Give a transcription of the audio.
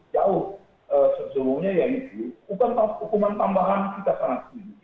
jauh sebelumnya yaitu hukuman tambahan kita sangat setuju